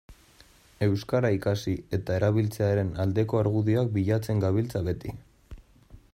Euskara ikasi eta erabiltzearen aldeko argudioak bilatzen gabiltza beti.